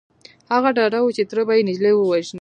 هغه ډاډه و چې تره به يې نجلۍ ووژني.